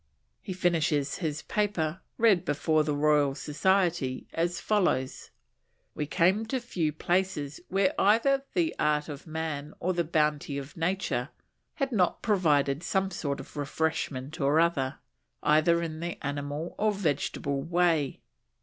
He finishes his paper read before the Royal Society as follows: "We came to few places where either the art of man or the bounty of nature had not provided some sort of refreshment or other, either in the animal or vegetable way.